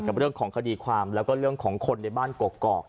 กับเรื่องของคดีความแล้วก็เรื่องของคนในบ้านกอก